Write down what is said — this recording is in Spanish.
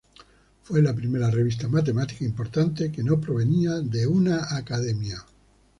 Fue la primera revista matemática importante que no provenía de una academia.